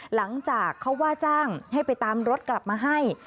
หลังจากเขาว่าจ้างให้ไปตามรถกลับมาให้